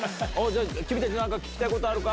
君たち聞きたいことあるか？